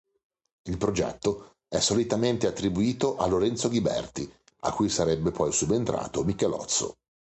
Il progetto è solitamente attribuito a Lorenzo Ghiberti, a cui sarebbe poi subentrato Michelozzo.